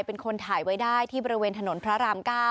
เป็นคนถ่ายไว้ได้ที่บริเวณถนนพระราม๙